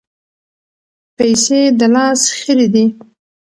پیسې د لاس خیرې دي.